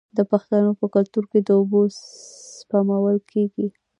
د پښتنو په کلتور کې د اوبو سپمول کیږي.